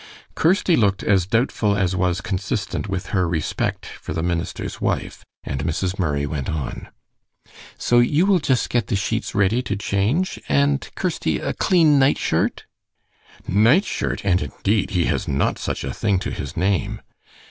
Kirsty looked as doubtful as was consistent with her respect for the minister's wife, and Mrs. Murray went on. "So you will just get the sheets ready to change, and, Kirsty, a clean night shirt." "Night shirt! and indeed, he has not such a thing to his name."